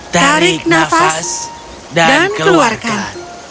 tarik nafas dan keluarkan